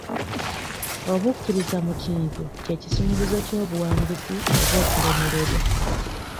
Obukkiriza mu kintu kye kisumuluzo ky'obuwanguzi oba okulemererwa.